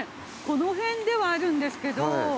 この辺ではあるんですけど。